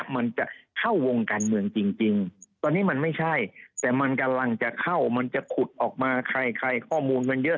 มันกำลังจะเข้ามันจะขุดออกมาใครข้อมูลมันเยอะ